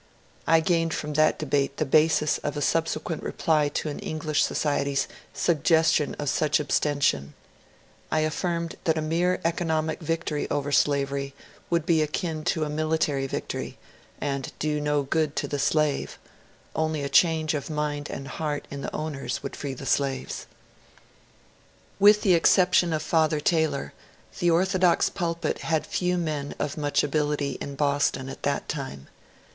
I gained from that debate the basis of a subsequent reply to an English society's suggestion of such abstention : I affirmed that a mere economic victory over slavery would be akin to a military victory, and do no good to the slave ; only a change of mind and heart in the owners would free the slaves. ij. MONCURE DANIEL OONWAY With the exception of f'ather Taylor, the orthodox pulpit had few men of much ability in Boston at that time.